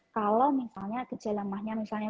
kalau misalnya gejala mahnya misalnya